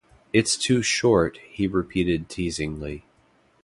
"It's too short," he repeated teasingly.